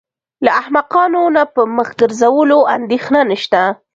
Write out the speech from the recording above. له احمقانو نه په مخ ګرځولو اندېښنه نشته.